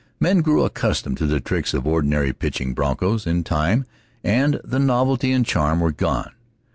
Men grew accustomed to the tricks of ordinary pitching broncos, in time, and the novelty and charm were gone.